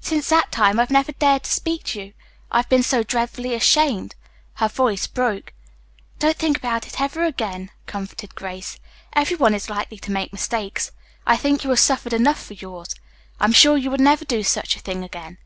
Since that time I've never dared to speak to you. I have been so dreadfully ashamed." Her voice broke. "Don't think about it ever again," comforted Grace. "Everyone is likely to make mistakes. I think you have suffered enough for yours. I am sure you would never do any such thing again."